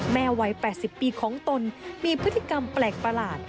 วัย๘๐ปีของตนมีพฤติกรรมแปลกประหลาด